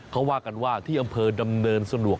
เขาว่ากันว่าที่อำเภอดำเนินสะดวก